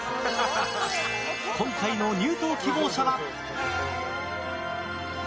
今回の入党希望者は。